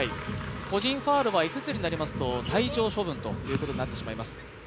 個人ファウルは５つになりますと退場処分ということになってしまいます。